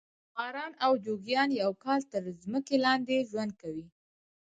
ماران او جوګیان یو کال تر مځکې لاندې ژوند کوي.